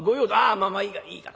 「まあまあいいからいいから。